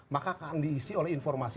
maka akan diisi oleh informasi